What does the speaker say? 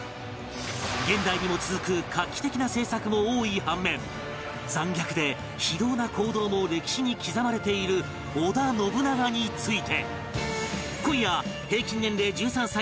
現代にも続く画期的な政策も多い半面残虐で非道な行動も歴史に刻まれている織田信長について